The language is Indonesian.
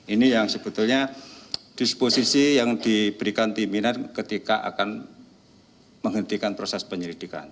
ini yang sebetulnya disposisi yang diberikan pimpinan ketika akan menghentikan proses penyelidikan